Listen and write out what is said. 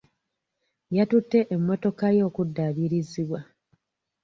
Yatutte emmotoka ye okuddaabirizibwa.